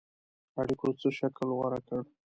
اړېکو څه شکل غوره کړ.